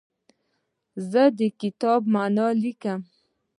زه د کتاب معنی لیکم.